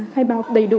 khai báo đầy đủ